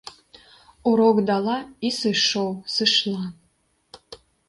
Урок дала і сышоў, сышла.